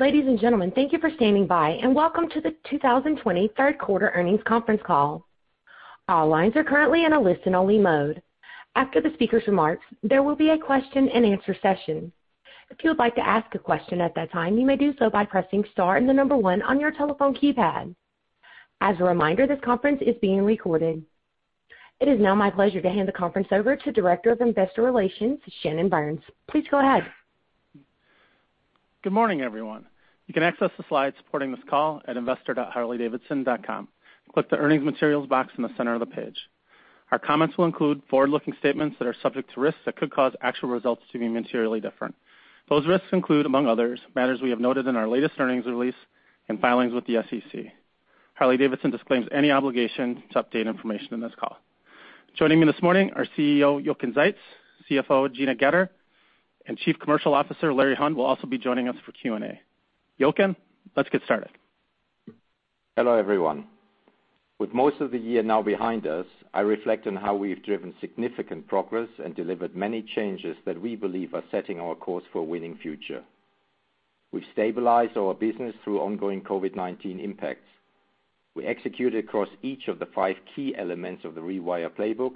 Ladies and gentlemen, thank you for standing by, and welcome to the 2020 third quarter earnings conference call. All lines are currently in a listen-only mode. After the speaker's remarks, there will be a question-and-answer session. If you would like to ask a question at that time, you may do so by pressing star and the number one on your telephone keypad. As a reminder, this conference is being recorded. It is now my pleasure to hand the conference over to Director of Investor Relations, Shannon Burns. Please go ahead. Good morning, everyone. You can access the slides supporting this call at investor.harley-davidson.com. Click the earnings materials box in the center of the page. Our comments will include forward-looking statements that are subject to risks that could cause actual results to be materially different. Those risks include, among others, matters we have noted in our latest earnings release and filings with the SEC. Harley-Davidson disclaims any obligation to update information in this call. Joining me this morning are CEO Jochen Zeitz, CFO Gina Goetter, and Chief Commercial Officer Larry Hund will also be joining us for Q&A. Jochen, let's get started. Hello, everyone. With most of the year now behind us, I reflect on how we've driven significant progress and delivered many changes that we believe are setting our course for a winning future. We've stabilized our business through ongoing COVID-19 impacts. We executed across each of the five key elements of The Rewire playbook,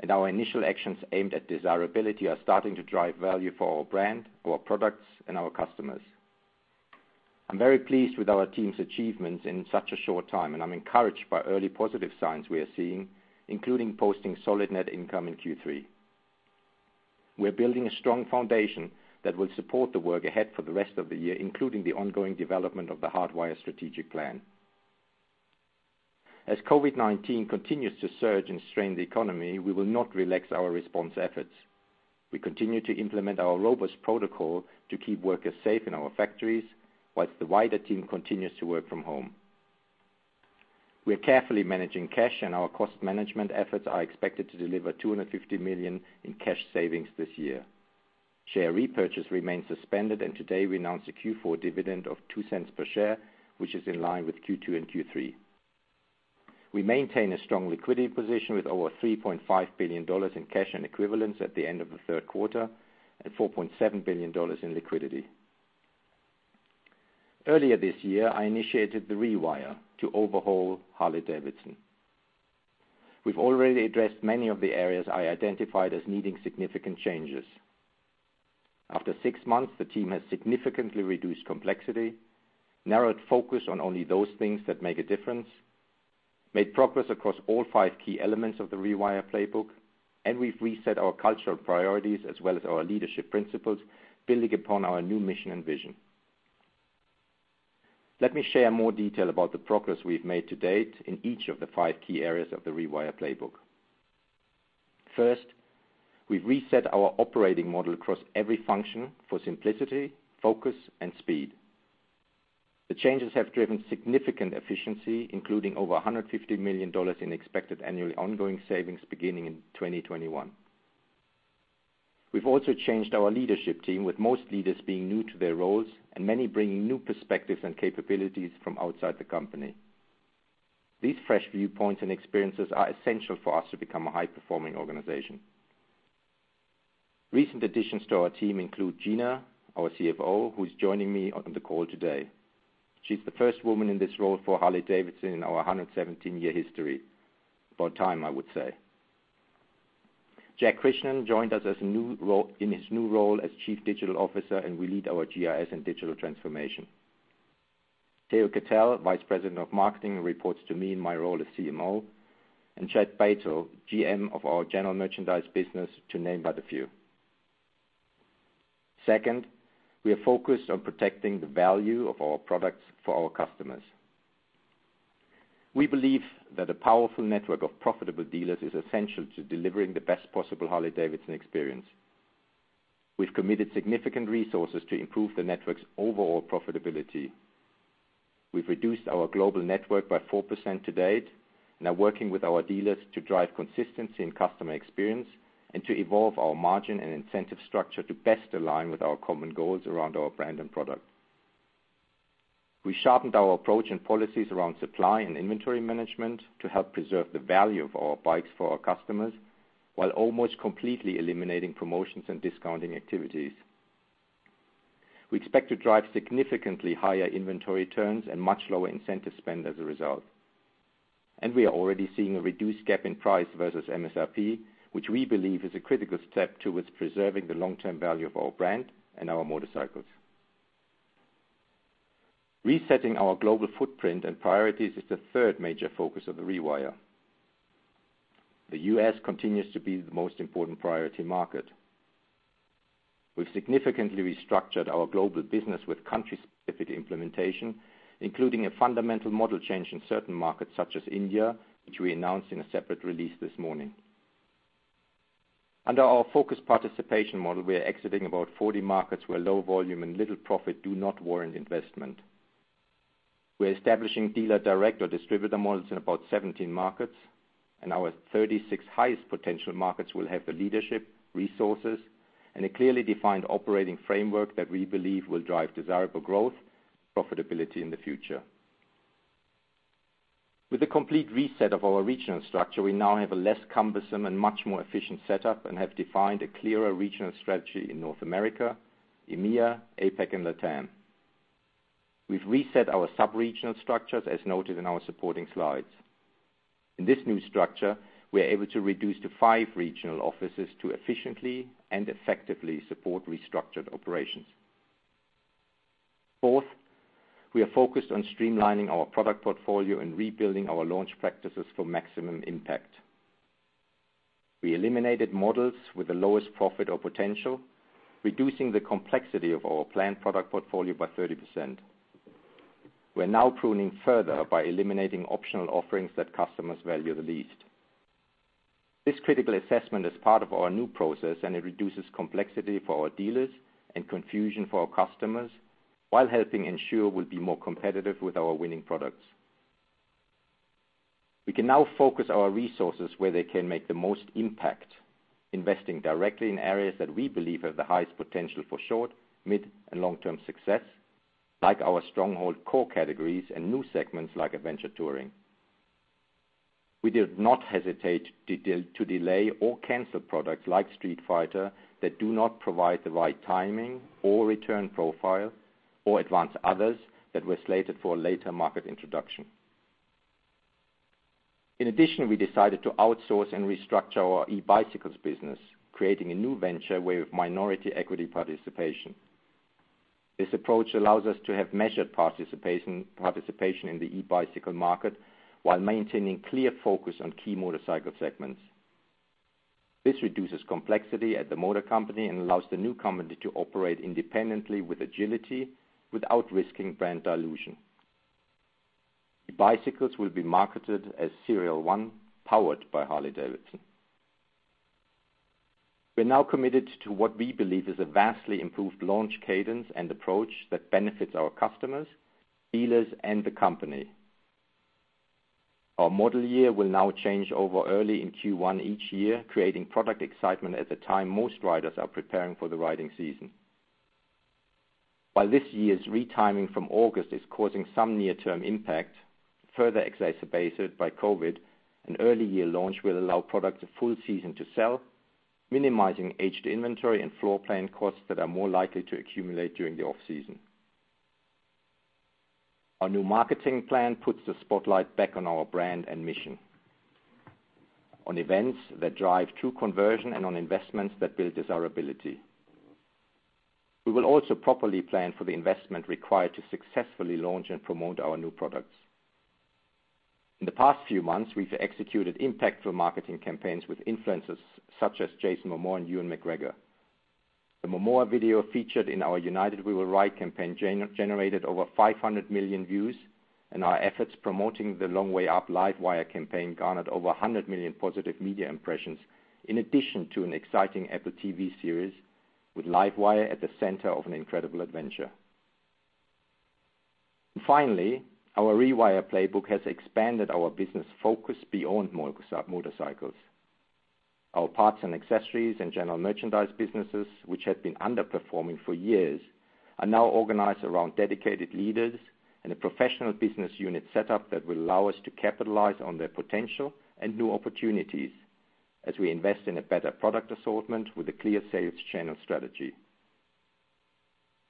and our initial actions aimed at desirability are starting to drive value for our brand, our products, and our customers. I'm very pleased with our team's achievements in such a short time, and I'm encouraged by early positive signs we are seeing, including posting solid net income in Q3. We're building a strong foundation that will support the work ahead for the rest of the year, including the ongoing development of the hardwire strategic plan. As COVID-19 continues to surge and strain the economy, we will not relax our response efforts. We continue to implement our robust protocol to keep workers safe in our factories whilst the wider team continues to work from home. We're carefully managing cash, and our cost management efforts are expected to deliver $250 million in cash savings this year. Share repurchase remains suspended, and today we announced a Q4 dividend of $0.02 per share, which is in line with Q2 and Q3. We maintain a strong liquidity position with over $3.5 billion in cash and equivalents at the end of the third quarter and $4.7 billion in liquidity. Earlier this year, I initiated The Rewire to overhaul Harley-Davidson. We've already addressed many of the areas I identified as needing significant changes. After six months, the team has significantly reduced complexity, narrowed focus on only those things that make a difference, made progress across all five key elements of The Rewire playbook, and we've reset our cultural priorities as well as our leadership principles, building upon our new mission and vision. Let me share more detail about the progress we've made to date in each of the five key areas of The Rewire playbook. First, we've reset our operating model across every function for simplicity, focus, and speed. The changes have driven significant efficiency, including over $150 million in expected annual ongoing savings beginning in 2021. We've also changed our leadership team, with most leaders being new to their roles and many bringing new perspectives and capabilities from outside the company. These fresh viewpoints and experiences are essential for us to become a high-performing organization. Recent additions to our team include Gina, our CFO, who's joining me on the call today. She's the first woman in this role for Harley-Davidson in our 117-year history, about time, I would say. Jag Krishnan joined us in his new role as Chief Digital Officer, and we lead our GIS and digital transformation. Theo Keetell, Vice President of Marketing, reports to me in my role as CMO, and Chet Bato, GM of our general merchandise business, to name but a few. Second, we are focused on protecting the value of our products for our customers. We believe that a powerful network of profitable dealers is essential to delivering the best possible Harley-Davidson experience. We've committed significant resources to improve the network's overall profitability. We've reduced our global network by 4% to date, now working with our dealers to drive consistency in customer experience and to evolve our margin and incentive structure to best align with our common goals around our brand and product. We sharpened our approach and policies around supply and inventory management to help preserve the value of our bikes for our customers while almost completely eliminating promotions and discounting activities. We expect to drive significantly higher inventory turns and much lower incentive spend as a result. We are already seeing a reduced gap in price versus MSRP, which we believe is a critical step towards preserving the long-term value of our brand and our motorcycles. Resetting our global footprint and priorities is the third major focus of The Rewire. The U.S. continues to be the most important priority market. We've significantly restructured our global business with country-specific implementation, including a fundamental model change in certain markets such as India, which we announced in a separate release this morning. Under our focused participation model, we are exiting about 40 markets where low volume and little profit do not warrant investment. We're establishing dealer-direct or distributor models in about 17 markets, and our 36 highest potential markets will have the leadership, resources, and a clearly defined operating framework that we believe will drive desirable growth and profitability in the future. With the complete reset of our regional structure, we now have a less cumbersome and much more efficient setup and have defined a clearer regional strategy in North America, EMEA, APAC, and LATAM. We've reset our sub-regional structures as noted in our supporting slides. In this new structure, we are able to reduce to five regional offices to efficiently and effectively support restructured operations. Fourth, we are focused on streamlining our product portfolio and rebuilding our launch practices for maximum impact. We eliminated models with the lowest profit or potential, reducing the complexity of our planned product portfolio by 30%. We're now pruning further by eliminating optional offerings that customers value the least. This critical assessment is part of our new process, and it reduces complexity for our dealers and confusion for our customers while helping ensure we'll be more competitive with our winning products. We can now focus our resources where they can make the most impact, investing directly in areas that we believe have the highest potential for short, mid, and long-term success, like our stronghold core categories and new segments like adventure touring. We did not hesitate to delay or cancel products like Street Fighter that do not provide the right timing or return profile or advance others that were slated for later market introduction. In addition, we decided to outsource and restructure our e-bicycles business, creating a new venture with minority equity participation. This approach allows us to have measured participation in the e-bicycle market while maintaining clear focus on key motorcycle segments. This reduces complexity at the motor company and allows the new company to operate independently with agility without risking brand dilution. E-bicycles will be marketed as Serial 1, powered by Harley-Davidson. We're now committed to what we believe is a vastly improved launch cadence and approach that benefits our customers, dealers, and the company. Our model year will now change over early in Q1 each year, creating product excitement at the time most riders are preparing for the riding season. While this year's retiming from August is causing some near-term impact, further exacerbated by COVID, an early year launch will allow products a full season to sell, minimizing aged inventory and floor plan costs that are more likely to accumulate during the off-season. Our new marketing plan puts the spotlight back on our brand and mission, on events that drive true conversion and on investments that build desirability. We will also properly plan for the investment required to successfully launch and promote our new products. In the past few months, we've executed impactful marketing campaigns with influencers such as Jason Momoa and Ewan McGregor. The Momoa video featured in our United We Will Ride campaign generated over 500 million views, and our efforts promoting the Long Way Up LiveWire campaign garnered over 100 million positive media impressions, in addition to an exciting Apple TV series with LiveWire at the center of an incredible adventure. Finally, our Rewire Playbook has expanded our business focus beyond motorcycles. Our parts and accessories and general merchandise businesses, which had been underperforming for years, are now organized around dedicated leaders and a professional business unit setup that will allow us to capitalize on their potential and new opportunities as we invest in a better product assortment with a clear sales channel strategy.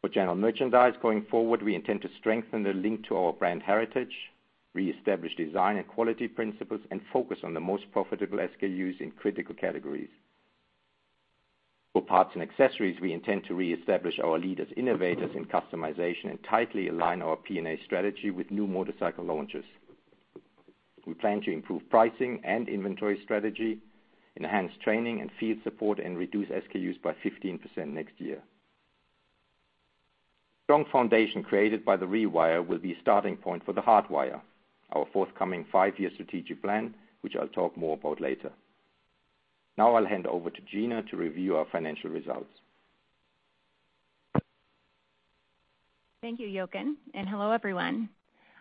For general merchandise, going forward, we intend to strengthen the link to our brand heritage, reestablish design and quality principles, and focus on the most profitable SKUs in critical categories. For parts and accessories, we intend to reestablish our lead as innovators in customization and tightly align our P&A strategy with new motorcycle launches. We plan to improve pricing and inventory strategy, enhance training and field support, and reduce SKUs by 15% next year. Strong foundation created by The Rewire will be a starting point for the hardwire, our forthcoming five-year strategic plan, which I'll talk more about later. Now I'll hand over to Gina to review our financial results. Thank you, Jochen, and hello, everyone.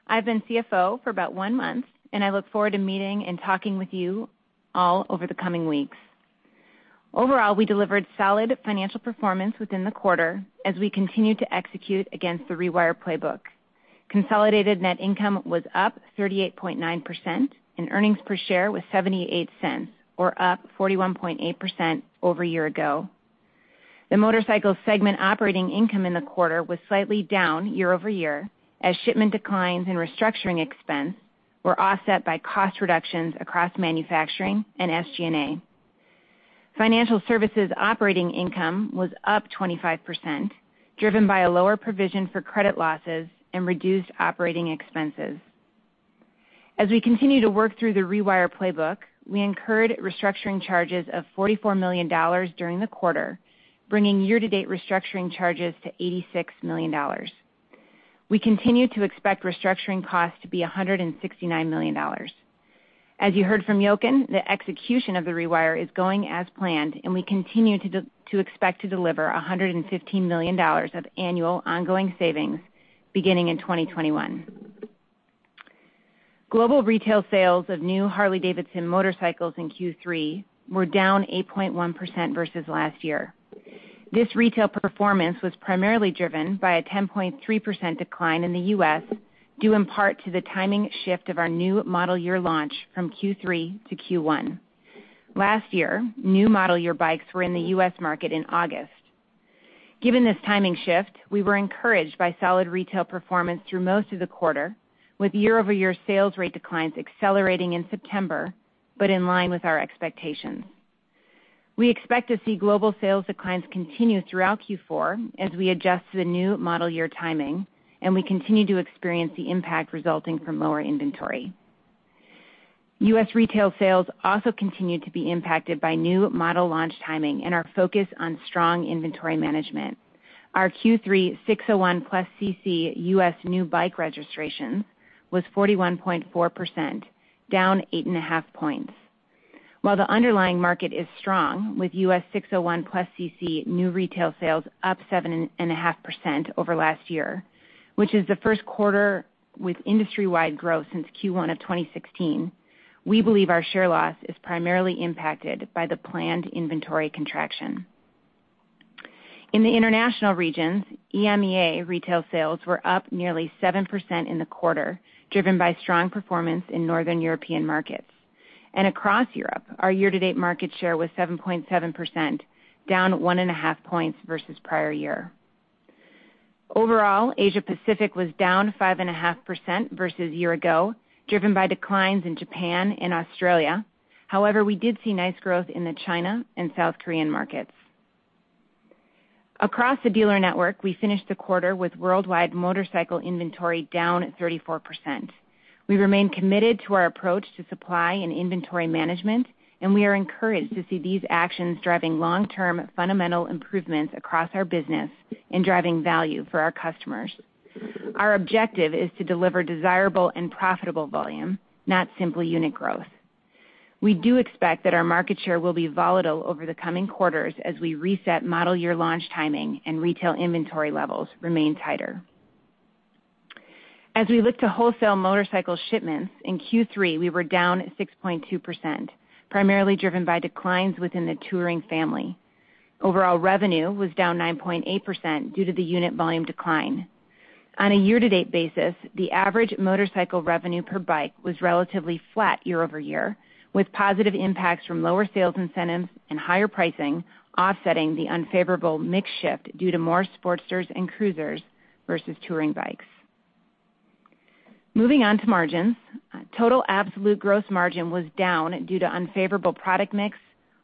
I've been CFO for about one month, and I look forward to meeting and talking with you all over the coming weeks. Overall, we delivered solid financial performance within the quarter as we continued to execute against The Rewire playbook. Consolidated net income was up 38.9%, and earnings per share was $0.78, or up 41.8% over a year ago. The motorcycle segment operating income in the quarter was slightly down year over year as shipment declines and restructuring expense were offset by cost reductions across manufacturing and SG&A. Financial services operating income was up 25%, driven by a lower provision for credit losses and reduced operating expenses. As we continue to work through The Rewire playbook, we incurred restructuring charges of $44 million during the quarter, bringing year-to-date restructuring charges to $86 million. We continue to expect restructuring costs to be $169 million. As you heard from Jochen, the execution of The Rewire is going as planned, and we continue to expect to deliver $115 million of annual ongoing savings beginning in 2021. Global retail sales of new Harley-Davidson motorcycles in Q3 were down 8.1% versus last year. This retail performance was primarily driven by a 10.3% decline in the US due in part to the timing shift of our new model year launch from Q3 to Q1. Last year, new model year bikes were in the US market in August. Given this timing shift, we were encouraged by solid retail performance through most of the quarter, with year-over-year sales rate declines accelerating in September, but in line with our expectations. We expect to see global sales declines continue throughout Q4 as we adjust to the new model year timing, and we continue to experience the impact resulting from lower inventory. U.S. retail sales also continue to be impacted by new model launch timing and our focus on strong inventory management. Our Q3 601+cc U.S. new bike registrations was 41.4%, down 8.5 points. While the underlying market is strong, with U.S. 601+cc new retail sales up 7.5% over last year, which is the first quarter with industry-wide growth since Q1 of 2016, we believe our share loss is primarily impacted by the planned inventory contraction. In the international regions, EMEA retail sales were up nearly 7% in the quarter, driven by strong performance in Northern European markets. Across Europe, our year-to-date market share was 7.7%, down 1.5 percentage points versus prior year. Overall, Asia-Pacific was down 5.5% versus a year ago, driven by declines in Japan and Australia. However, we did see nice growth in the China and South Korean markets. Across the dealer network, we finished the quarter with worldwide motorcycle inventory down 34%. We remain committed to our approach to supply and inventory management, and we are encouraged to see these actions driving long-term fundamental improvements across our business and driving value for our customers. Our objective is to deliver desirable and profitable volume, not simply unit growth. We do expect that our market share will be volatile over the coming quarters as we reset model year launch timing and retail inventory levels remain tighter. As we look to wholesale motorcycle shipments in Q3, we were down 6.2%, primarily driven by declines within the Touring family. Overall revenue was down 9.8% due to the unit volume decline. On a year-to-date basis, the average motorcycle revenue per bike was relatively flat year-over-year, with positive impacts from lower sales incentives and higher pricing offsetting the unfavorable mix shift due to more Sportsters and Cruisers versus Touring bikes. Moving on to margins, total absolute gross margin was down due to unfavorable product mix,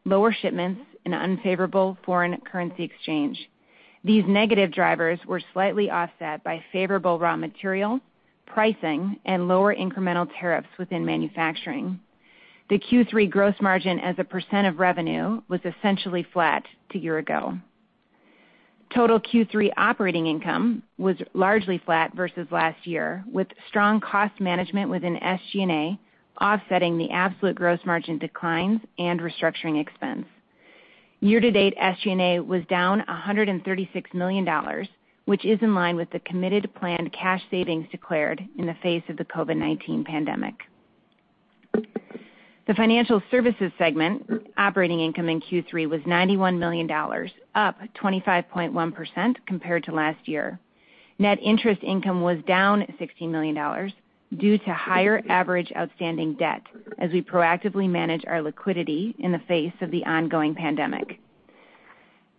lower shipments, and unfavorable foreign currency exchange. These negative drivers were slightly offset by favorable raw material pricing and lower incremental tariffs within manufacturing. The Q3 gross margin as a percent of revenue was essentially flat to year ago. Total Q3 operating income was largely flat versus last year, with strong cost management within SG&A offsetting the absolute gross margin declines and restructuring expense. Year-to-date SG&A was down $136 million, which is in line with the committed planned cash savings declared in the face of the COVID-19 pandemic. The financial services segment operating income in Q3 was $91 million, up 25.1% compared to last year. Net interest income was down $16 million due to higher average outstanding debt as we proactively manage our liquidity in the face of the ongoing pandemic.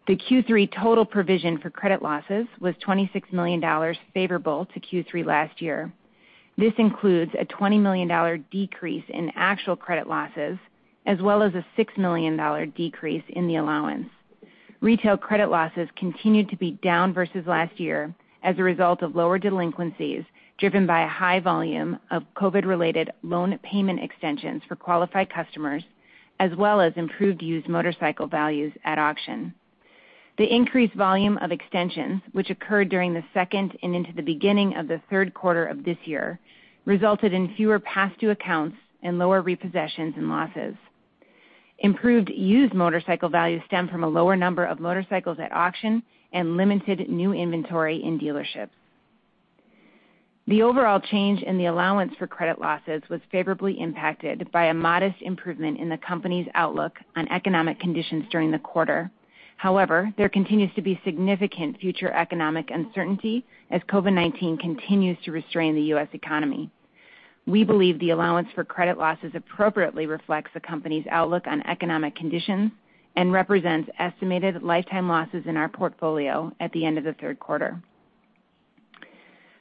The Q3 total provision for credit losses was $26 million favorable to Q3 last year. This includes a $20 million decrease in actual credit losses as well as a $6 million decrease in the allowance. Retail credit losses continued to be down versus last year as a result of lower delinquencies driven by a high volume of COVID-related loan payment extensions for qualified customers as well as improved used motorcycle values at auction. The increased volume of extensions, which occurred during the second and into the beginning of the third quarter of this year, resulted in fewer past-due accounts and lower repossessions and losses. Improved used motorcycle values stem from a lower number of motorcycles at auction and limited new inventory in dealerships. The overall change in the allowance for credit losses was favorably impacted by a modest improvement in the company's outlook on economic conditions during the quarter. However, there continues to be significant future economic uncertainty as COVID-19 continues to restrain the U.S. economy. We believe the allowance for credit losses appropriately reflects the company's outlook on economic conditions and represents estimated lifetime losses in our portfolio at the end of the third quarter.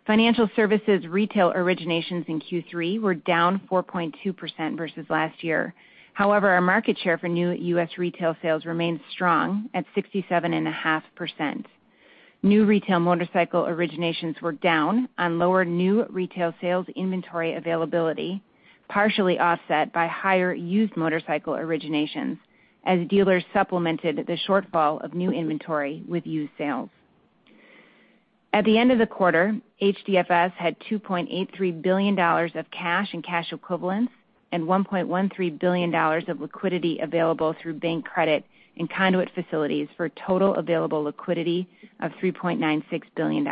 Financial services retail originations in Q3 were down 4.2% versus last year. However, our market share for new U.S. retail sales remained strong at 67.5%. New retail motorcycle originations were down on lower new retail sales inventory availability, partially offset by higher used motorcycle originations as dealers supplemented the shortfall of new inventory with used sales. At the end of the quarter, HDFS had $2.83 billion of cash and cash equivalents and $1.13 billion of liquidity available through bank credit and conduit facilities for total available liquidity of $3.96 billion.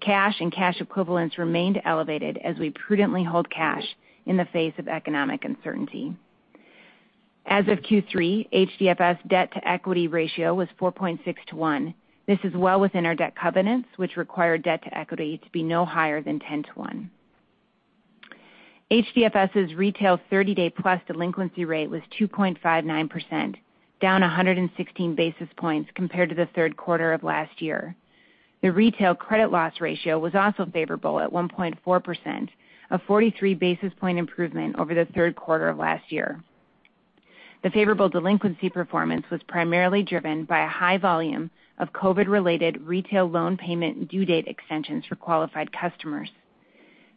Cash and cash equivalents remained elevated as we prudently hold cash in the face of economic uncertainty. As of Q3, HDFS debt-to-equity ratio was 4.6 to 1. This is well within our debt covenants, which require debt-to-equity to be no higher than 10 to 1. HDFS's retail 30 day plus delinquency rate was 2.59%, down 116 basis points compared to the third quarter of last year. The retail credit loss ratio was also favorable at 1.4%, a 43 basis point improvement over the third quarter of last year. The favorable delinquency performance was primarily driven by a high volume of COVID-related retail loan payment due date extensions for qualified customers.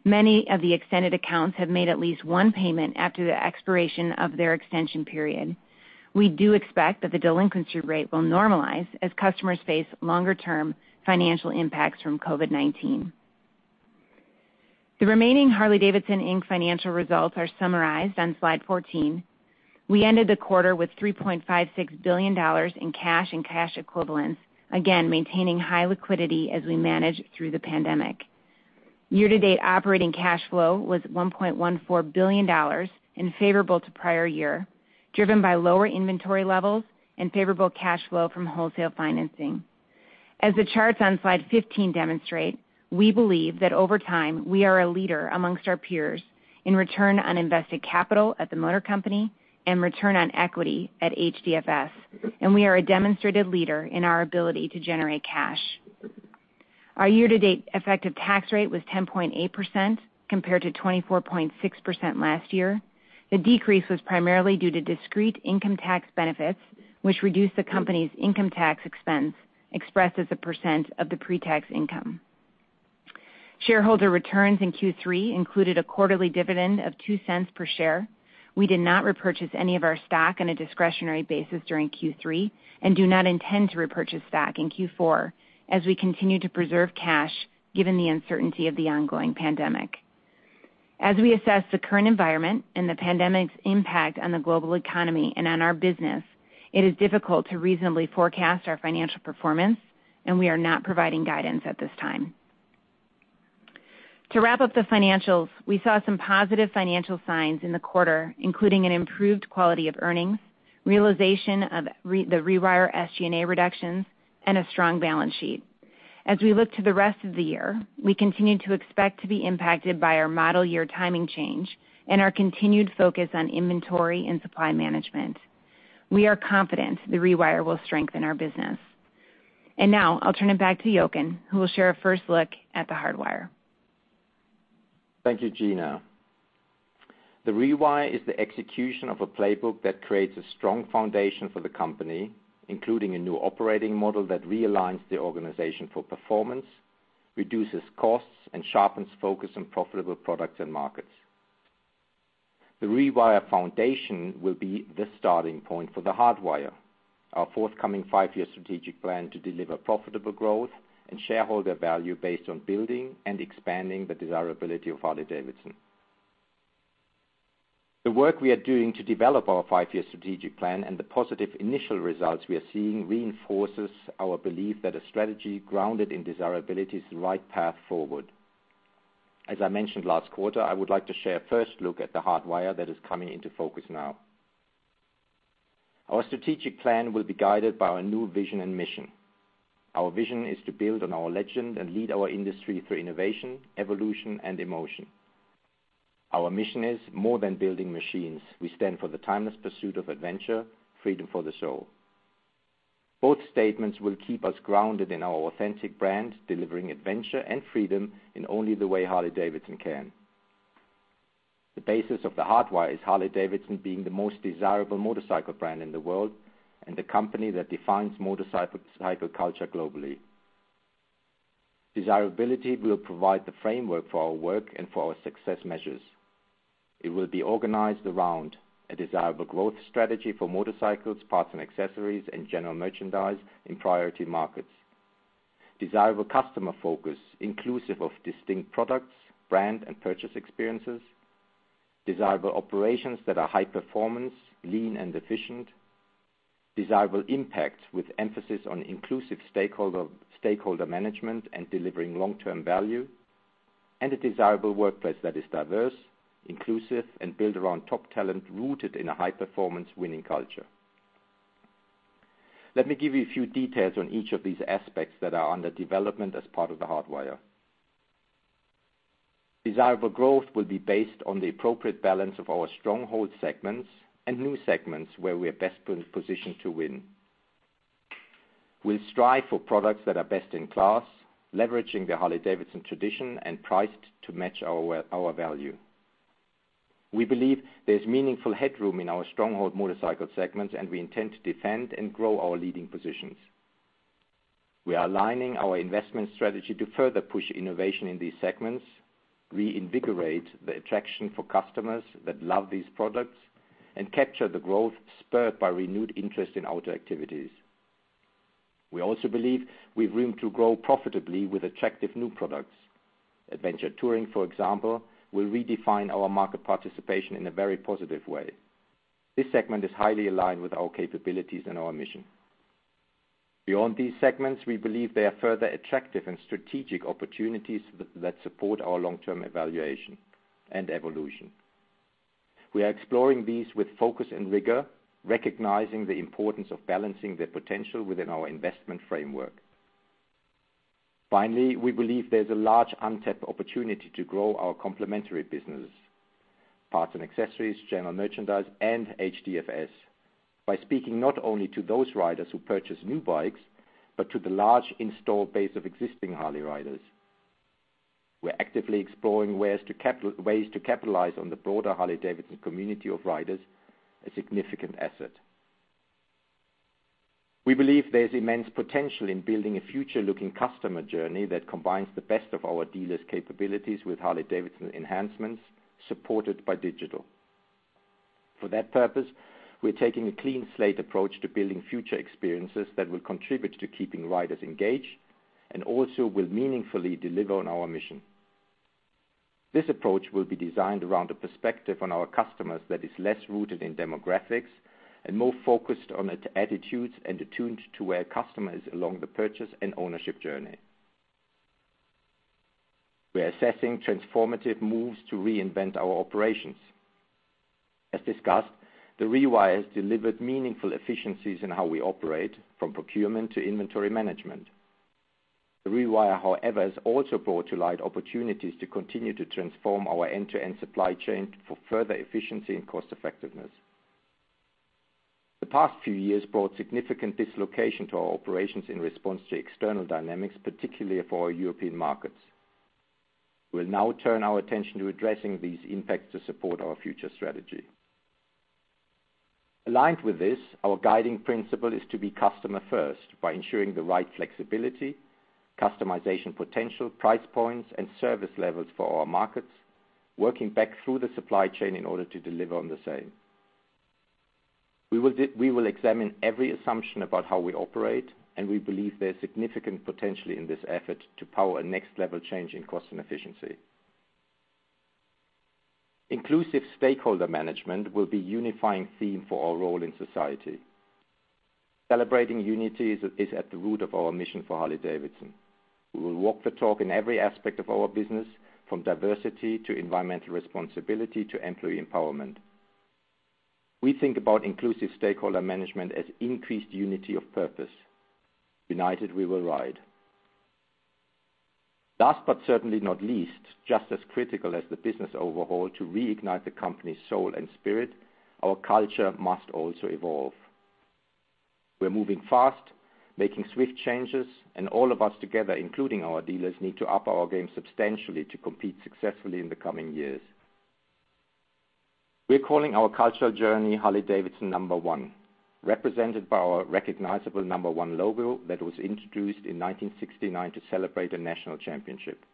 Many of the extended accounts have made at least one payment after the expiration of their extension period. We do expect that the delinquency rate will normalize as customers face longer-term financial impacts from COVID-19. The remaining Harley-Davidson financial results are summarized on slide 14. We ended the quarter with $3.56 billion in cash and cash equivalents, again maintaining high liquidity as we manage through the pandemic. Year-to-date operating cash flow was $1.14 billion and favorable to prior year, driven by lower inventory levels and favorable cash flow from wholesale financing. As the charts on slide 15 demonstrate, we believe that over time we are a leader amongst our peers in return on invested capital at the motor company and return on equity at HDFS, and we are a demonstrated leader in our ability to generate cash. Our year-to-date effective tax rate was 10.8% compared to 24.6% last year. The decrease was primarily due to discrete income tax benefits, which reduced the company's income tax expense expressed as a % of the pre-tax income. Shareholder returns in Q3 included a quarterly dividend of $0.02 per share. We did not repurchase any of our stock on a discretionary basis during Q3 and do not intend to repurchase stock in Q4 as we continue to preserve cash given the uncertainty of the ongoing pandemic. As we assess the current environment and the pandemic's impact on the global economy and on our business, it is difficult to reasonably forecast our financial performance, and we are not providing guidance at this time. To wrap up the financials, we saw some positive financial signs in the quarter, including an improved quality of earnings, realization of The Rewire SG&A reductions, and a strong balance sheet. As we look to the rest of the year, we continue to expect to be impacted by our model year timing change and our continued focus on inventory and supply management. We are confident The Rewire will strengthen our business. I will turn it back to Jochen, who will share a first look at the hardwire. Thank you, Gina. The Rewire is the execution of a playbook that creates a strong foundation for the company, including a new operating model that realigns the organization for performance, reduces costs, and sharpens focus on profitable products and markets. The Rewire foundation will be the starting point for the hardwire, our forthcoming five-year strategic plan to deliver profitable growth and shareholder value based on building and expanding the desirability of Harley-Davidson. The work we are doing to develop our five-year strategic plan and the positive initial results we are seeing reinforces our belief that a strategy grounded in desirability is the right path forward. As I mentioned last quarter, I would like to share a first look at the Hardwire that is coming into focus now. Our strategic plan will be guided by our new vision and mission. Our vision is to build on our legend and lead our industry through innovation, evolution, and emotion. Our mission is, "More than building machines, we stand for the timeless pursuit of adventure, freedom for the soul." Both statements will keep us grounded in our authentic brand, delivering adventure and freedom in only the way Harley-Davidson can. The basis of the Hardwire is Harley-Davidson being the most desirable motorcycle brand in the world and the company that defines motorcycle culture globally. Desirability will provide the framework for our work and for our success measures. It will be organized around a desirable growth strategy for motorcycles, parts and accessories, and general merchandise in priority markets. Desirable customer focus, inclusive of distinct products, brand, and purchase experiences. Desirable operations that are high performance, lean, and efficient. Desirable impact with emphasis on inclusive stakeholder management and delivering long-term value. A desirable workplace that is diverse, inclusive, and built around top talent rooted in a high-performance winning culture. Let me give you a few details on each of these aspects that are under development as part of the Hardwire. Desirable growth will be based on the appropriate balance of our stronghold segments and new segments where we are best positioned to win. We'll strive for products that are best in class, leveraging the Harley-Davidson tradition and priced to match our value. We believe there's meaningful headroom in our stronghold motorcycle segments, and we intend to defend and grow our leading positions. We are aligning our investment strategy to further push innovation in these segments, reinvigorate the attraction for customers that love these products, and capture the growth spurred by renewed interest in auto activities. We also believe we've room to grow profitably with attractive new products. Adventure Touring, for example, will redefine our market participation in a very positive way. This segment is highly aligned with our capabilities and our mission. Beyond these segments, we believe there are further attractive and strategic opportunities that support our long-term evaluation and evolution. We are exploring these with focus and rigor, recognizing the importance of balancing their potential within our investment framework. Finally, we believe there's a large untapped opportunity to grow our complementary businesses, parts and accessories, general merchandise, and HDFS by speaking not only to those riders who purchase new bikes but to the large installed base of existing Harley riders. We're actively exploring ways to capitalize on the broader Harley-Davidson community of riders, a significant asset. We believe there's immense potential in building a future-looking customer journey that combines the best of our dealers' capabilities with Harley-Davidson enhancements supported by digital. For that purpose, we're taking a clean slate approach to building future experiences that will contribute to keeping riders engaged and also will meaningfully deliver on our mission. This approach will be designed around a perspective on our customers that is less rooted in demographics and more focused on attitudes and attuned to where customers are along the purchase and ownership journey. We're assessing transformative moves to reinvent our operations. As discussed, The Rewire has delivered meaningful efficiencies in how we operate, from procurement to inventory management. The Rewire, however, has also brought to light opportunities to continue to transform our end-to-end supply chain for further efficiency and cost-effectiveness. The past few years brought significant dislocation to our operations in response to external dynamics, particularly for our European markets. We'll now turn our attention to addressing these impacts to support our future strategy. Aligned with this, our guiding principle is to be customer-first by ensuring the right flexibility, customization potential, price points, and service levels for our markets, working back through the supply chain in order to deliver on the same. We will examine every assumption about how we operate, and we believe there's significant potential in this effort to power a next-level change in cost and efficiency. Inclusive stakeholder management will be a unifying theme for our role in society. Celebrating unity is at the root of our mission for Harley-Davidson. We will walk the talk in every aspect of our business, from diversity to environmental responsibility to employee empowerment. We think about inclusive stakeholder management as increased unity of purpose. United, we will ride. Last but certainly not least, just as critical as the business overhaul to reignite the company's soul and spirit, our culture must also evolve. We're moving fast, making swift changes, and all of us together, including our dealers, need to up our game substantially to compete successfully in the coming years. We're calling our cultural journey Harley-Davidson number one, represented by our recognizable #1 logo that was introduced in 1969 to celebrate a national championship.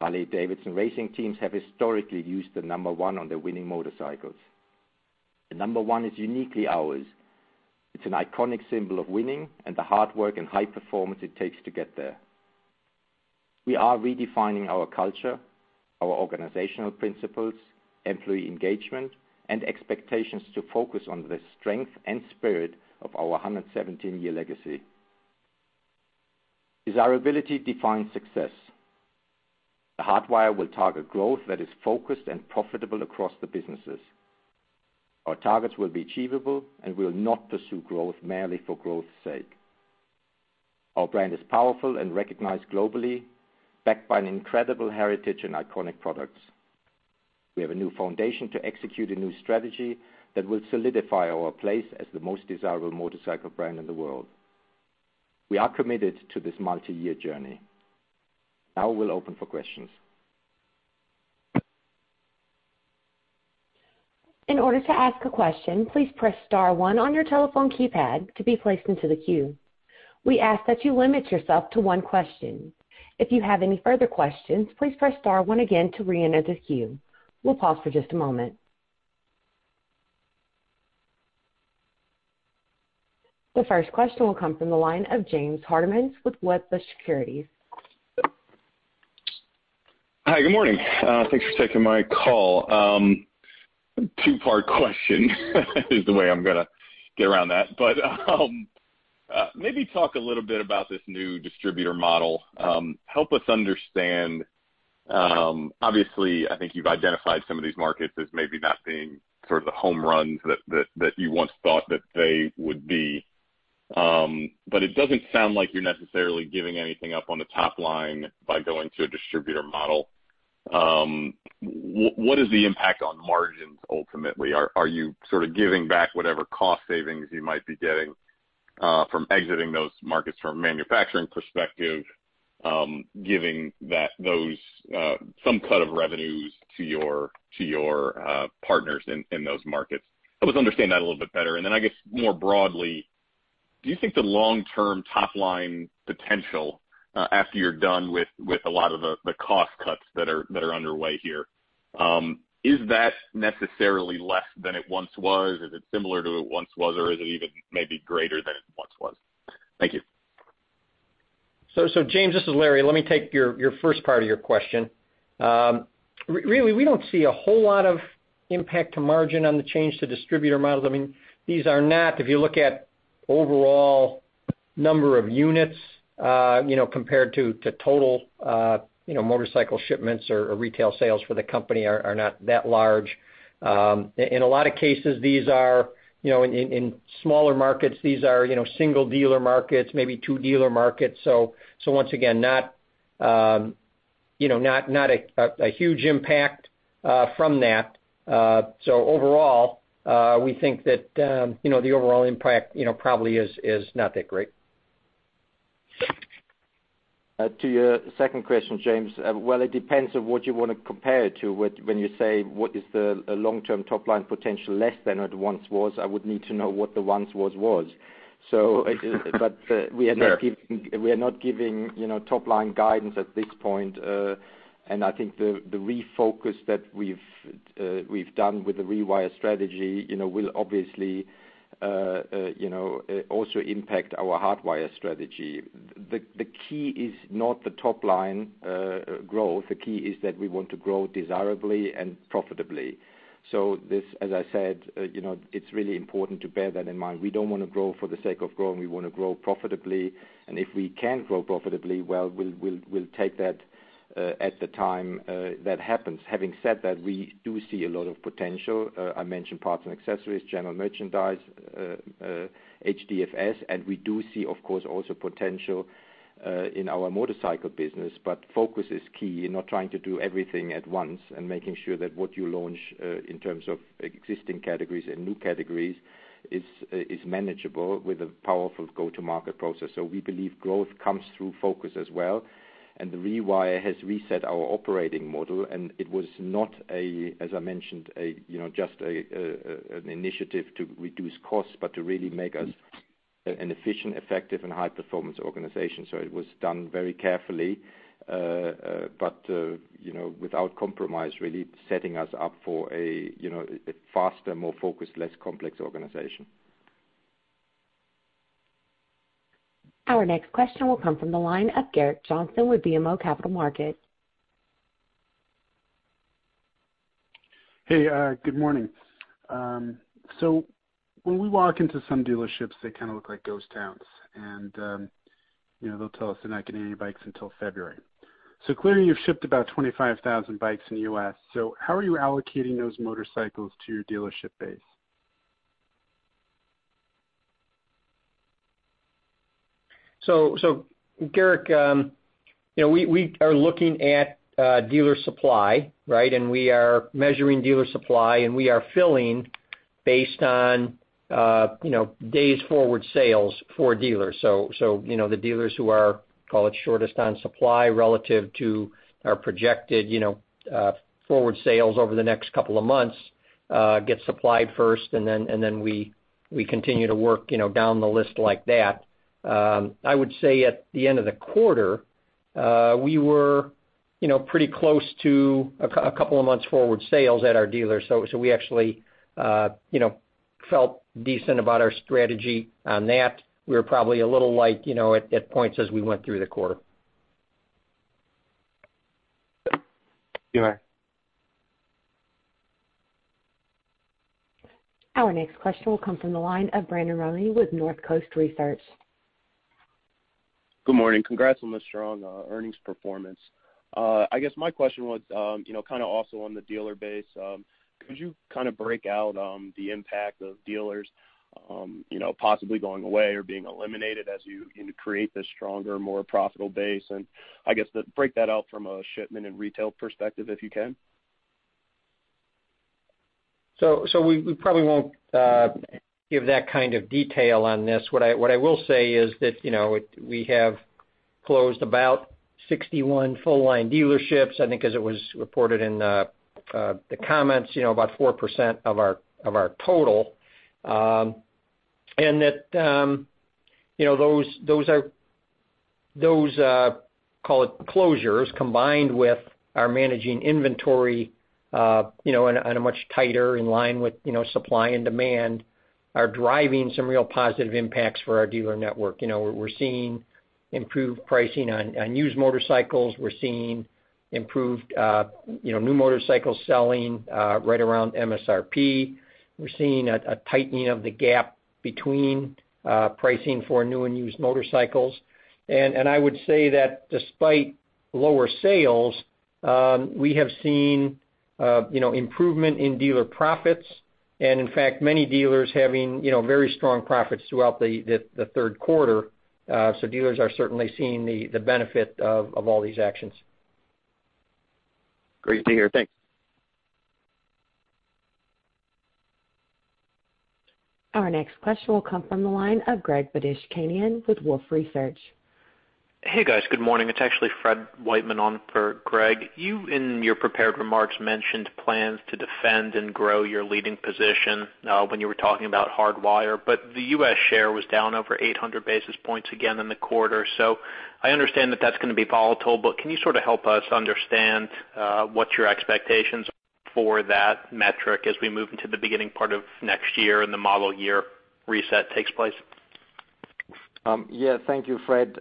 Harley-Davidson racing teams have historically used the number one on their winning motorcycles. The number one is uniquely ours. It's an iconic symbol of winning and the hard work and high performance it takes to get there. We are redefining our culture, our organizational principles, employee engagement, and expectations to focus on the strength and spirit of our 117-year legacy. Desirability defines success. The Hardwire will target growth that is focused and profitable across the businesses. Our targets will be achievable, and we'll not pursue growth merely for growth's sake. Our brand is powerful and recognized globally, backed by an incredible heritage and iconic products. We have a new foundation to execute a new strategy that will solidify our place as the most desirable motorcycle brand in the world. We are committed to this multi-year journey. Now we'll open for questions. In order to ask a question, please press star one on your telephone keypad to be placed into the queue. We ask that you limit yourself to one question. If you have any further questions, please press star one again to re-enter the queue. We'll pause for just a moment. The first question will come from the line of James Hardiman with Wedbush Securities. Hi, good morning. Thanks for taking my call. Two-part question is the way I'm going to get around that. Maybe talk a little bit about this new distributor model. Help us understand. Obviously, I think you've identified some of these markets as maybe not being sort of the home runs that you once thought that they would be. It doesn't sound like you're necessarily giving anything up on the top line by going to a distributor model. What is the impact on margins ultimately? Are you sort of giving back whatever cost savings you might be getting from exiting those markets from a manufacturing perspective, giving some cut of revenues to your partners in those markets? Help us understand that a little bit better. I guess more broadly, do you think the long-term top line potential after you're done with a lot of the cost cuts that are underway here, is that necessarily less than it once was? Is it similar to what it once was, or is it even maybe greater than it once was? Thank you. James, this is Larry. Let me take your first part of your question. Really, we do not see a whole lot of impact to margin on the change to distributor models. I mean, these are not, if you look at overall number of units compared to total motorcycle shipments or retail sales for the company, are not that large. In a lot of cases, these are in smaller markets, these are single-dealer markets, maybe two-dealer markets. Once again, not a huge impact from that. Overall, we think that the overall impact probably is not that great. To your second question, James, it depends on what you want to compare it to. When you say, "What is the long-term top line potential less than it once was?" I would need to know what the once was was. We are not giving top line guidance at this point. I think the refocus that we've done with The Rewire strategy will obviously also impact our hardwire strategy. The key is not the top line growth. The key is that we want to grow desirably and profitably. This, as I said, it's really important to bear that in mind. We don't want to grow for the sake of growing. We want to grow profitably. If we can grow profitably, well, we'll take that at the time that happens. Having said that, we do see a lot of potential. I mentioned parts and accessories, general merchandise, HDFS. We do see, of course, also potential in our motorcycle business. Focus is key in not trying to do everything at once and making sure that what you launch in terms of existing categories and new categories is manageable with a powerful go-to-market process. We believe growth comes through focus as well. The Rewire has reset our operating model. It was not, as I mentioned, just an initiative to reduce costs, but to really make us an efficient, effective, and high-performance organization. It was done very carefully, but without compromise, really setting us up for a faster, more focused, less complex organization. Our next question will come from the line of Gerrick Johnson with BMO Capital Markets. Hey, good morning. When we walk into some dealerships, they kind of look like ghost towns. They will tell us they are not getting any bikes until February. Clearly, you have shipped about 25,000 bikes in the U.S. How are you allocating those motorcycles to your dealership base? Gerrick, we are looking at dealer supply, right? We are measuring dealer supply. We are filling based on days' forward sales for dealers. The dealers who are, call it, shortest on supply relative to our projected forward sales over the next couple of months get supplied first. We continue to work down the list like that. I would say at the end of the quarter, we were pretty close to a couple of months' forward sales at our dealers. We actually felt decent about our strategy on that. We were probably a little light at points as we went through the quarter. Our next question will come from the line of Brandon Rollé with Northcoast Research. Good morning. Congrats on the strong earnings performance. I guess my question was kind of also on the dealer base. Could you kind of break out the impact of dealers possibly going away or being eliminated as you create this stronger, more profitable base? I guess break that out from a shipment and retail perspective if you can. We probably will not give that kind of detail on this. What I will say is that we have closed about 61 full-line dealerships, I think, as it was reported in the comments, about 4% of our total. Those closures combined with our managing inventory on a much tighter in line with supply and demand are driving some real positive impacts for our dealer network. We are seeing improved pricing on used motorcycles. We are seeing improved new motorcycle selling right around MSRP. We are seeing a tightening of the gap between pricing for new and used motorcycles. I would say that despite lower sales, we have seen improvement in dealer profits. In fact, many dealers are having very strong profits throughout the third quarter. Dealers are certainly seeing the benefit of all these actions. Great to hear. Thanks. Our next question will come from the line of Greg Badishkanian with Wolfe Research. Hey, guys. Good morning. It's actually Fred Wightman on for Greg. You, in your prepared remarks, mentioned plans to defend and grow your leading position when you were talking about Hardwire. The U.S. share was down over 800 basis points again in the quarter. I understand that that's going to be volatile. Can you sort of help us understand what your expectations are for that metric as we move into the beginning part of next year and the model year reset takes place? Thank you, Fred.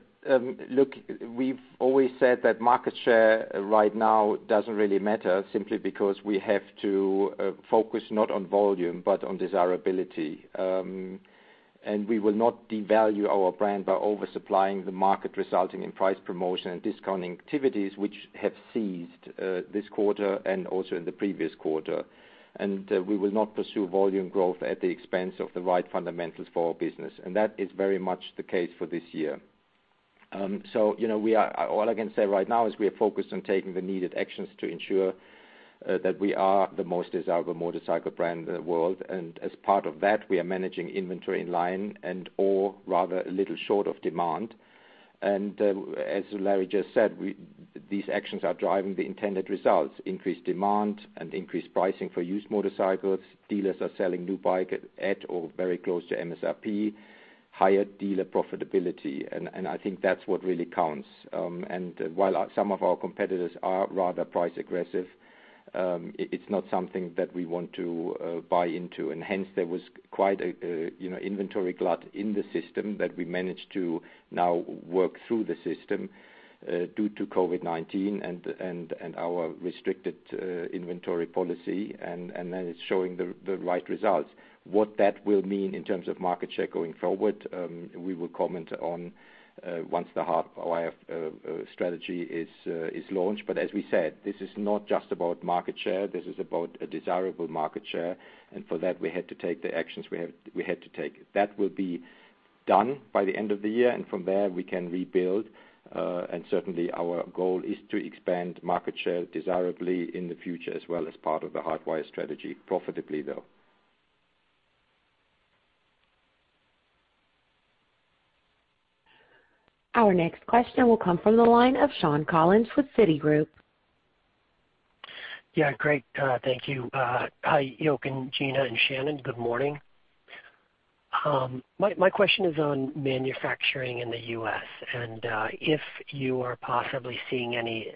Look, we've always said that market share right now doesn't really matter simply because we have to focus not on volume but on desirability. We will not devalue our brand by oversupplying the market resulting in price promotion and discounting activities which have ceased this quarter and also in the previous quarter. We will not pursue volume growth at the expense of the right fundamentals for our business. That is very much the case for this year. All I can say right now is we are focused on taking the needed actions to ensure that we are the most desirable motorcycle brand in the world. As part of that, we are managing inventory in line and/or rather a little short of demand. As Larry just said, these actions are driving the intended results: increased demand and increased pricing for used motorcycles. Dealers are selling new bikes at or very close to MSRP, higher dealer profitability. I think that's what really counts. While some of our competitors are rather price-aggressive, it's not something that we want to buy into. Hence, there was quite an inventory glut in the system that we managed to now work through the system due to COVID-19 and our restricted inventory policy. It is showing the right results. What that will mean in terms of market share going forward, we will comment on once the Hardwire strategy is launched. As we said, this is not just about market share. This is about a desirable market share. For that, we had to take the actions we had to take. That will be done by the end of the year. From there, we can rebuild. Certainly, our goal is to expand market share desirably in the future as well as part of the Hardwire strategy, profitably though. Our next question will come from the line of Shawn Collins with Citigroup. Yeah. Great. Thank you. Hi, Jochen, Gina, and Shannon. Good morning. My question is on manufacturing in the U.S. If you are possibly seeing any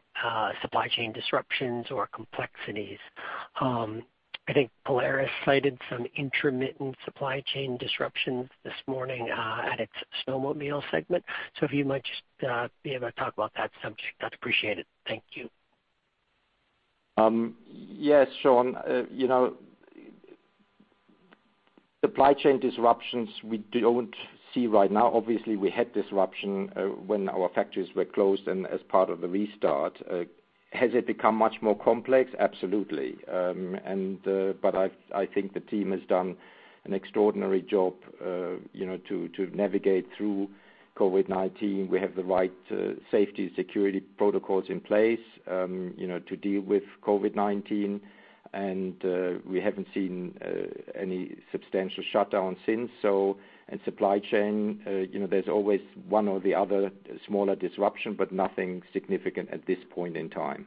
supply chain disruptions or complexities, I think Polaris cited some intermittent supply chain disruptions this morning at its snowmobile segment. If you might just be able to talk about that subject, I'd appreciate it. Thank you. Yes, Shawn. Supply chain disruptions we do not see right now. Obviously, we had disruption when our factories were closed and as part of the restart. Has it become much more complex? Absolutely. I think the team has done an extraordinary job to navigate through COVID-19. We have the right safety and security protocols in place to deal with COVID-19. We have not seen any substantial shutdowns since. Supply chain, there's always one or the other smaller disruption, but nothing significant at this point in time.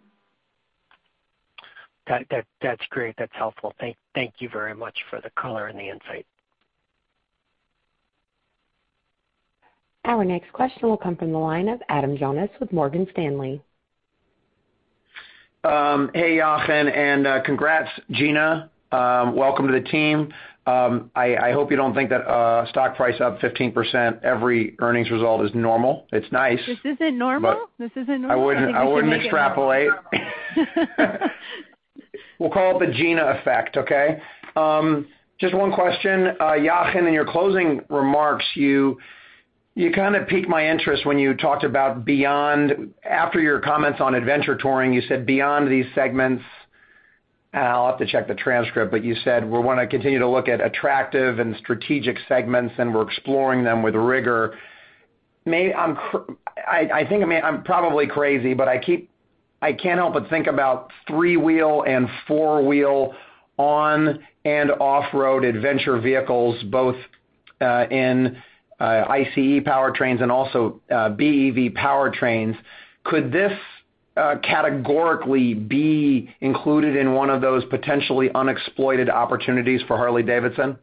That's great. That's helpful. Thank you very much for the color and the insight. Our next question will come from the line of Adam Jonas with Morgan Stanley. Hey, Jochen. And congrats, Gina. Welcome to the team. I hope you don't think that stock price up 15% every earnings result is normal. It's nice. This isn't normal. This isn't normal. I wouldn't extrapolate. We'll call it the Gina effect, okay? Just one question. Jochen, in your closing remarks, you kind of piqued my interest when you talked about beyond after your comments on Adventure Touring, you said, "Beyond these segments," and I'll have to check the transcript, but you said, "We're going to continue to look at attractive and strategic segments, and we're exploring them with rigor." I think I'm probably crazy, but I can't help but think about three-wheel and four-wheel on- and off-road adventure vehicles, both in ICE powertrains and also BEV powertrains. Could this categorically be included in one of those potentially unexploited opportunities for Harley-Davidson?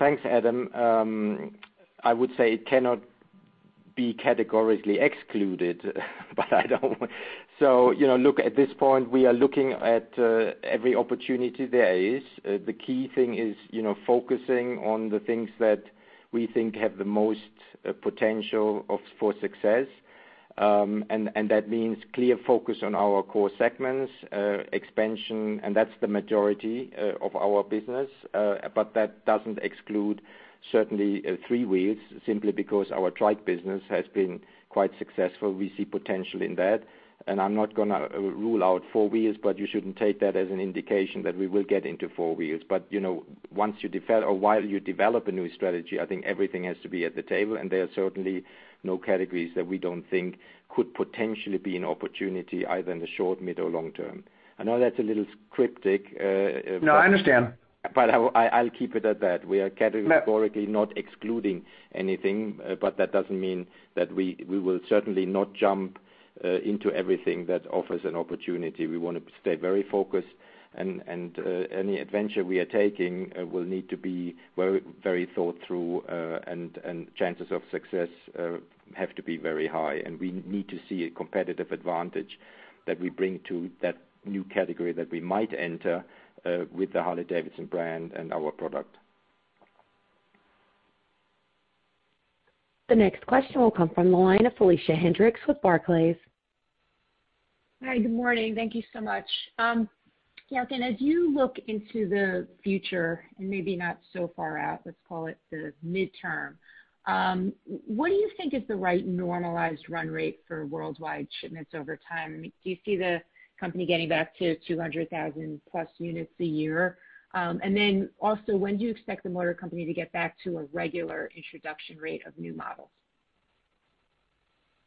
Thanks, Adam. I would say it cannot be categorically excluded, but I don't. Look, at this point, we are looking at every opportunity there is. The key thing is focusing on the things that we think have the most potential for success. That means clear focus on our core segments, expansion. That's the majority of our business. That doesn't exclude certainly three wheels simply because our trike business has been quite successful. We see potential in that. I'm not going to rule out four wheels, but you shouldn't take that as an indication that we will get into four wheels. Once you develop or while you develop a new strategy, I think everything has to be at the table. There are certainly no categories that we don't think could potentially be an opportunity either in the short, mid, or long term. I know that's a little cryptic. No, I understand. I'll keep it at that. We are categorically not excluding anything. That doesn't mean that we will certainly not jump into everything that offers an opportunity. We want to stay very focused. Any adventure we are taking will need to be very thought through. Chances of success have to be very high. We need to see a competitive advantage that we bring to that new category that we might enter with the Harley-Davidson brand and our product. The next question will come from the line of Felicia Hendrix with Barclays. Hi. Good morning. Thank you so much. Jochen, as you look into the future and maybe not so far out, let's call it the midterm, what do you think is the right normalized run rate for worldwide shipments over time? Do you see the company getting back to 200,000+ units a year? Also, when do you expect the motor company to get back to a regular introduction rate of new models?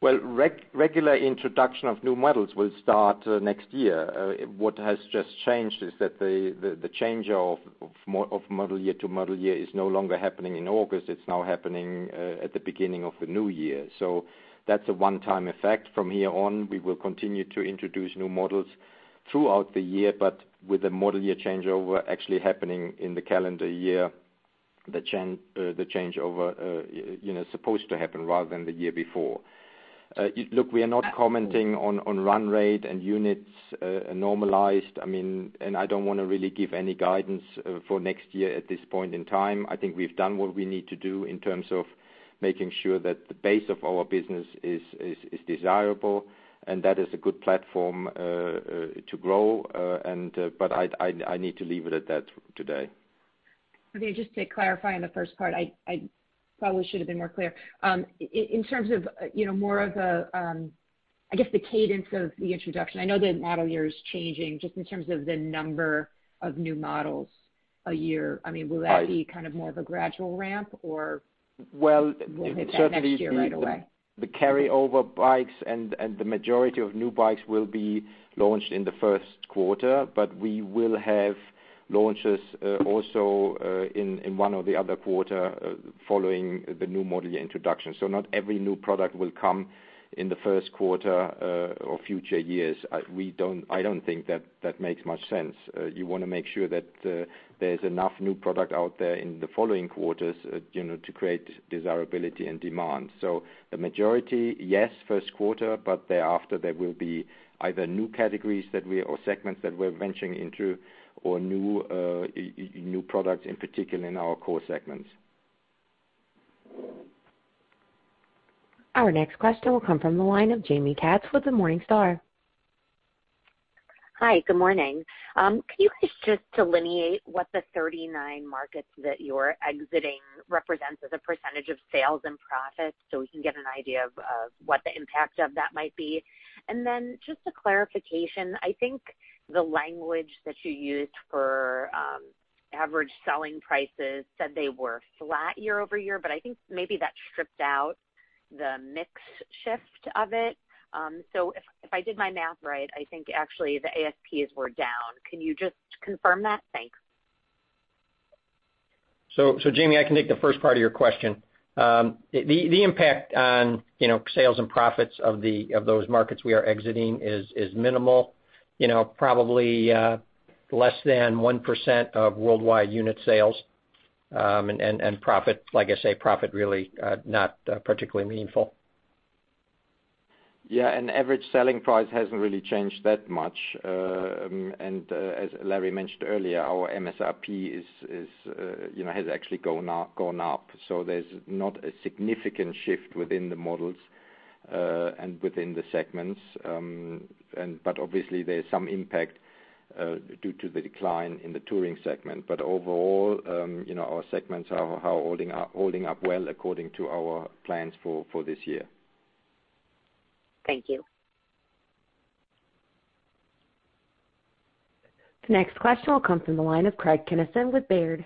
Regular introduction of new models will start next year. What has just changed is that the change of model year to model year is no longer happening in August. It's now happening at the beginning of the new year. That's a one-time effect. From here on, we will continue to introduce new models throughout the year, but with a model year changeover actually happening in the calendar year, the changeover supposed to happen rather than the year before. Look, we are not commenting on run rate and units normalized. I mean, and I don't want to really give any guidance for next year at this point in time. I think we've done what we need to do in terms of making sure that the base of our business is desirable. That is a good platform to grow. I need to leave it at that today. Just to clarify in the first part, I probably should have been more clear. In terms of more of a, I guess, the cadence of the introduction, I know that model year is changing just in terms of the number of new models a year. I mean, will that be kind of more of a gradual ramp or will it be a few years away? The carryover bikes and the majority of new bikes will be launched in the first quarter. We will have launches also in one or the other quarter following the new model year introduction. Not every new product will come in the first quarter or future years. I do not think that that makes much sense. You want to make sure that there is enough new product out there in the following quarters to create desirability and demand. The majority, yes, first quarter, but thereafter, there will be either new categories or segments that we're venturing into or new products, in particular, in our core segments. Our next question will come from the line of Jaime Katz with Morningstar. Hi. Good morning. Can you guys just delineate what the 39 markets that you're exiting represents as a percentage of sales and profits so we can get an idea of what the impact of that might be? Just a clarification, I think the language that you used for average selling prices said they were flat year over year, but I think maybe that stripped out the mix shift of it. If I did my math right, I think actually the ASPs were down. Can you just confirm that? Thanks. Jaime, I can take the first part of your question. The impact on sales and profits of those markets we are exiting is minimal, probably less than 1% of worldwide unit sales and profit. Like I say, profit really not particularly meaningful. Yeah. And average selling price hasn't really changed that much. As Larry mentioned earlier, our MSRP has actually gone up. There is not a significant shift within the models and within the segments. Obviously, there is some impact due to the decline in the touring segment. Overall, our segments are holding up well according to our plans for this year. Thank you. The next question will come from the line of Craig Kennison with Baird.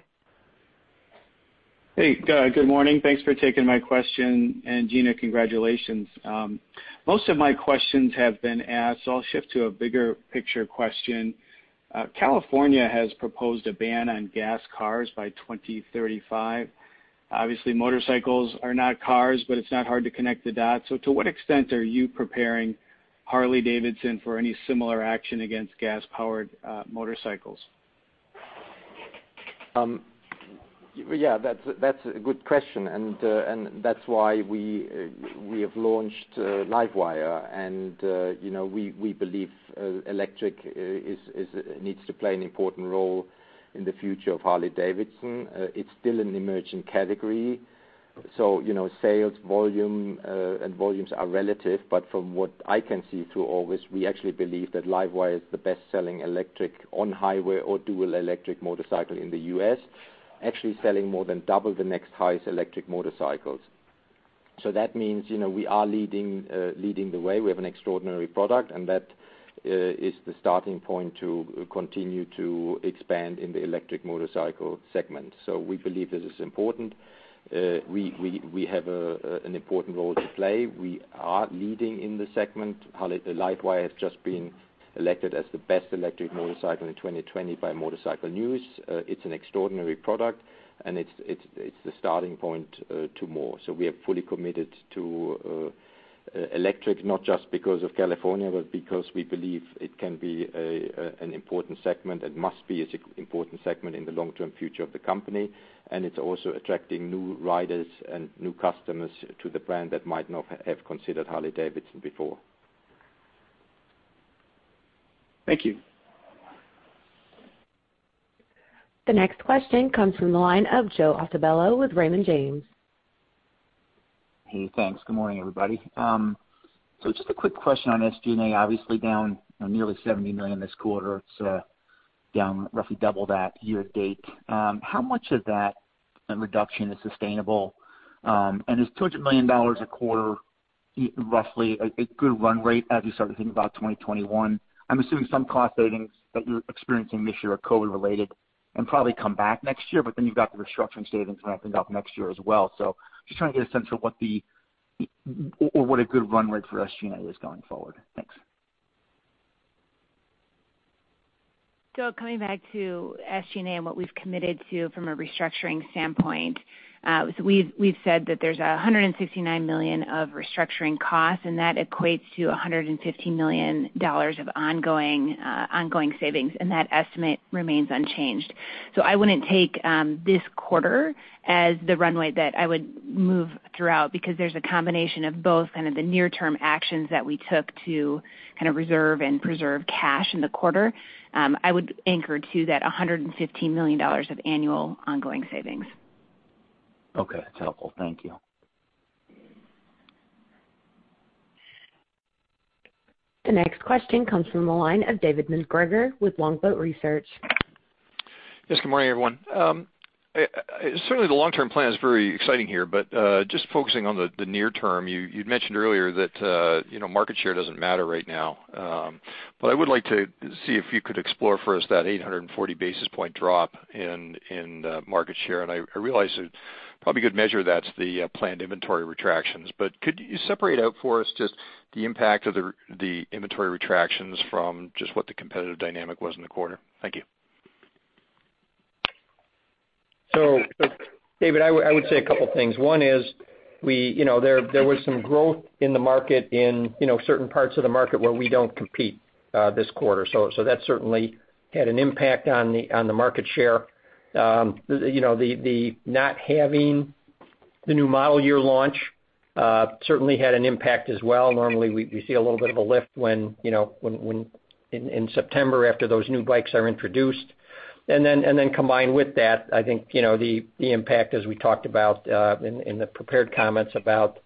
Hey. Good morning. Thanks for taking my question. And Gina, congratulations. Most of my questions have been asked. I'll shift to a bigger picture question. California has proposed a ban on gas cars by 2035. Obviously, motorcycles are not cars, but it's not hard to connect the dots. To what extent are you preparing Harley-Davidson for any similar action against gas-powered motorcycles? Yeah. That's a good question. That's why we have launched LiveWire. We believe electric needs to play an important role in the future of Harley-Davidson. It's still an emerging category, so sales volume and volumes are relative. From what I can see through August, we actually believe that LiveWire is the best-selling electric on-highway or dual-electric motorcycle in the U.S., actually selling more than double the next highest electric motorcycles. That means we are leading the way. We have an extraordinary product, and that is the starting point to continue to expand in the electric motorcycle segment. We believe this is important. We have an important role to play. We are leading in the segment. LiveWire has just been elected as the best electric motorcycle in 2020 by Motorcycle News. It's an extraordinary product. It's the starting point to more. We are fully committed to electric, not just because of California, but because we believe it can be an important segment and must be an important segment in the long-term future of the company. It's also attracting new riders and new customers to the brand that might not have considered Harley-Davidson before. Thank you. The next question comes from the line of Joe Altobello with Raymond James. Hey. Thanks. Good morning, everybody. Just a quick question on this. Gina, obviously, down nearly $70 million this quarter. It's down roughly double that year to date. How much of that reduction is sustainable? Is $200 million a quarter roughly a good run rate as you start to think about 2021? I'm assuming some cost savings that you're experiencing this year are COVID-related and probably come back next year. But then you've got the restructuring savings ramping up next year as well. Just trying to get a sense of what a good run rate for SG&A is going forward. Thanks. Coming back to SG&A and what we've committed to from a restructuring standpoint, we've said that there's $169 million of restructuring costs. That equates to $150 million of ongoing savings. That estimate remains unchanged. I wouldn't take this quarter as the run rate that I would move throughout because there's a combination of both kind of the near-term actions that we took to reserve and preserve cash in the quarter. I would anchor to that $150 million of annual ongoing savings. Okay. That's helpful. Thank you. The next question comes from the line of David MacGregor with Longbow Research. Yes. Good morning, everyone. Certainly, the long-term plan is very exciting here. Just focusing on the near term, you'd mentioned earlier that market share doesn't matter right now. I would like to see if you could explore for us that 840 basis point drop in market share. I realize it's probably a good measure that's the planned inventory retractions. Could you separate out for us just the impact of the inventory retractions from just what the competitive dynamic was in the quarter? Thank you. David, I would say a couple of things. One is there was some growth in the market in certain parts of the market where we don't compete this quarter. That certainly had an impact on the market share. The not having the new model year launch certainly had an impact as well. Normally, we see a little bit of a lift in September after those new bikes are introduced. Combined with that, I think the impact, as we talked about in the prepared comments about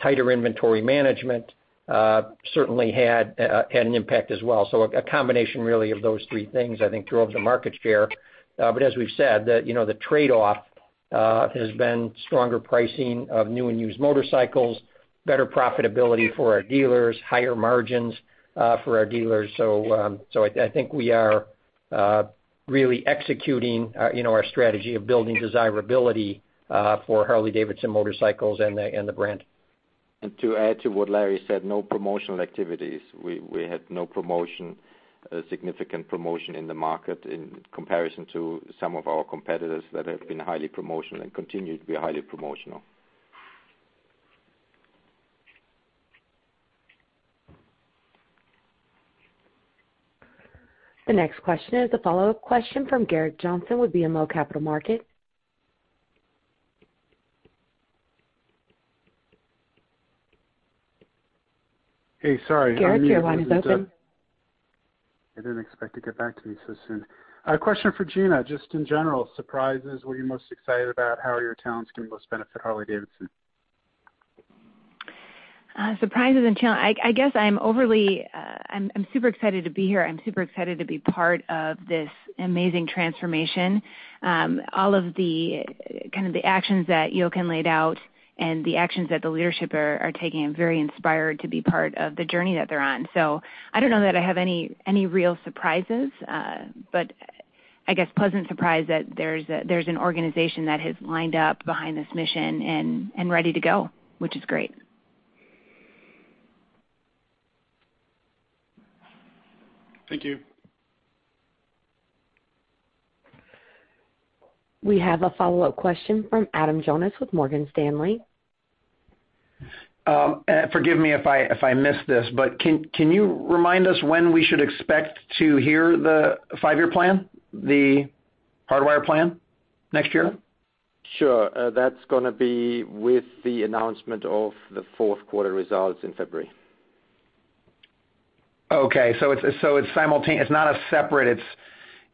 tighter inventory management, certainly had an impact as well. A combination really of those three things, I think, drove the market share. As we've said, the trade-off has been stronger pricing of new and used motorcycles, better profitability for our dealers, higher margins for our dealers. I think we are really executing our strategy of building desirability for Harley-Davidson motorcycles and the brand. To add to what Larry said, no promotional activities. We had no significant promotion in the market in comparison to some of our competitors that have been highly promotional and continue to be highly promotional. The next question is a follow-up question from Gerrick Johnson with BMO Capital Markets. Hey. Sorry. Gerrick, your line is open. I didn't expect to get back to you so soon. Question for Gina, just in general. Surprises, what are you most excited about? How are your talents going to most benefit Harley-Davidson? Surprises and challenges. I guess I'm super excited to be here. I'm super excited to be part of this amazing transformation. All of the kind of the actions that Jochen laid out and the actions that the leadership are taking, I'm very inspired to be part of the journey that they're on. I don't know that I have any real surprises. I guess pleasant surprise that there's an organization that has lined up behind this mission and ready to go, which is great. Thank you. We have a follow-up question from Adam Jonas with Morgan Stanley. Forgive me if I missed this. Can you remind us when we should expect to hear the five-year plan, the Hardwire plan next year? Sure. That's going to be with the announcement of the fourth quarter results in February. Okay. So it's not a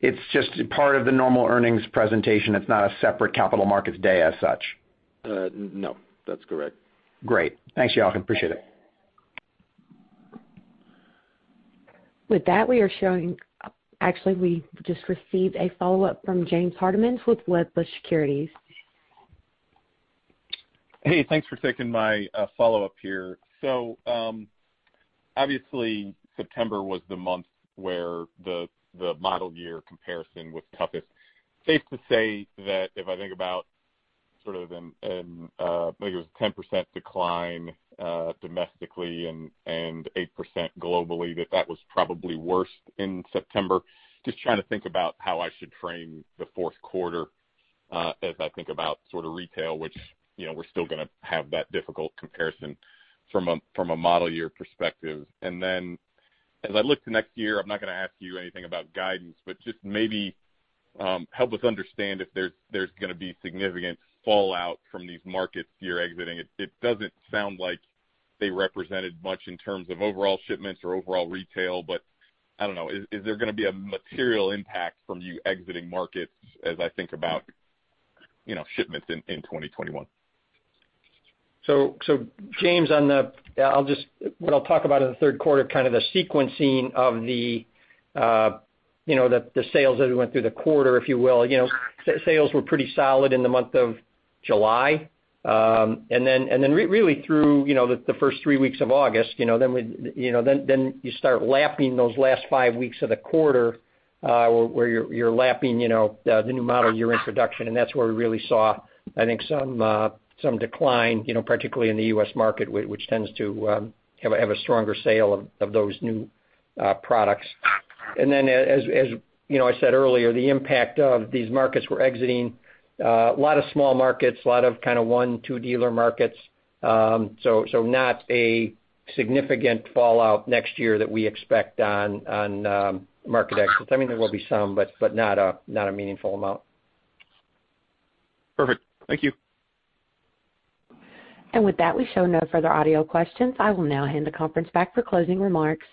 separate—it's just part of the normal earnings presentation. It's not a separate capital markets day as such. No. That's correct. Great. Thanks, Jochen. Appreciate it. With that, we are showing—actually, we just received a follow-up from James Hardiman with Wedbush Securities. Hey. Thanks for taking my follow-up here. Obviously, September was the month where the model year comparison was toughest. Safe to say that if I think about sort of—I think it was a 10% decline domestically and 8% globally, that that was probably worst in September. Just trying to think about how I should frame the fourth quarter as I think about sort of retail, which we're still going to have that difficult comparison from a model year perspective. As I look to next year, I'm not going to ask you anything about guidance, but just maybe help us understand if there's going to be significant fallout from these markets you're exiting. It doesn't sound like they represented much in terms of overall shipments or overall retail. I don't know. Is there going to be a material impact from you exiting markets as I think about shipments in 2021? James, on the—what I'll talk about in the third quarter, kind of the sequencing of the sales as we went through the quarter, if you will. Sales were pretty solid in the month of July. And then really through the first three weeks of August, then you start lapping those last five weeks of the quarter where you're lapping the new model year introduction. That's where we really saw, I think, some decline, particularly in the U.S. market, which tends to have a stronger sale of those new products. As I said earlier, the impact of these markets we're exiting, a lot of small markets, a lot of kind of one, two-dealer markets. Not a significant fallout next year that we expect on market exits. I mean, there will be some, but not a meaningful amount. Perfect. Thank you. With that, we show no further audio questions. I will now hand the conference back for closing remarks.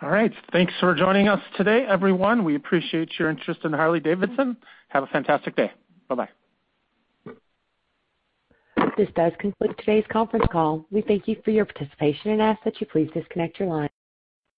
All right. Thanks for joining us today, everyone. We appreciate your interest in Harley-Davidson. Have a fantastic day. Bye-bye. This does conclude today's conference call. We thank you for your participation and ask that you please disconnect your line.